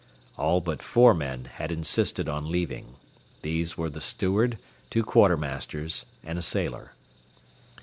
All but four men had insisted on leaving. These were the steward, two quartermasters, and a sailor.